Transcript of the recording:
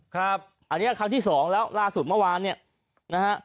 ครับอันนี้ครั้งที่สองแล้วล่าสุดเมื่อวานเนี่ยนะฮะ